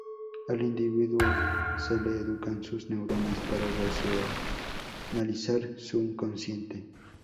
Al individuo se "le educan sus neuronas" para "racionalizar" su inconsciente.